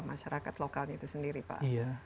masyarakat lokalnya itu sendiri pak